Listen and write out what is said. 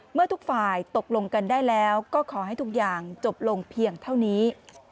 เมื่อทุกฝ่ายตกลงกันได้แล้วก็ขอให้ทุกอย่างจบลงเพียงเท่านี้